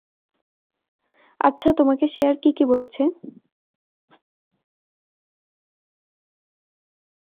আচ্ছা তোমাকে সে আর কি কি বলেছে?